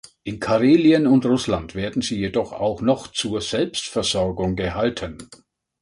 In Karelien und Russland werden sie jedoch auch noch zur Selbstversorgung gehalten.